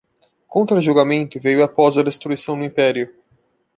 Contra-julgamento veio após a destruição do Império.